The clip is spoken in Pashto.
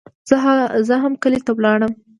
زه هم کلي ته ولاړم.